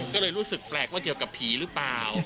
ก็เลยรู้สึกแปลกว่าเกี่ยวกับผีหรือเปล่า